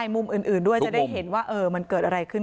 มุมอื่นด้วยจะได้เห็นว่ามันเกิดอะไรขึ้น